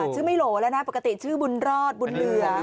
ชื่อไม่โหลแล้วนะปกติชื่อบุญรอดบุญเหลือ